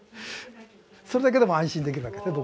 それだけでも安心できるわけです